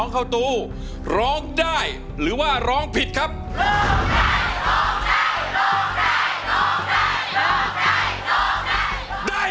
มาเพื่อนมันว่าให้อาย